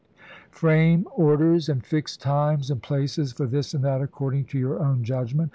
Frame orders, and fix times and places for this and that, according to your own judgment.